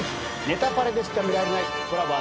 『ネタパレ』でしか見られないコラボ